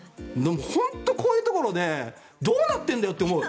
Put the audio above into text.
本当こういうところどうなってるんだよって思う。